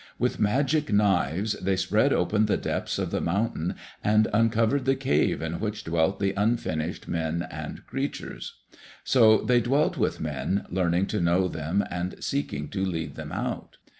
With magic knives they spread open the depths of the mountain and uncovered the cave in which dwelt the unfinished men and creatures. So they dwelt with men, learning to know them, and seeking to lead them out.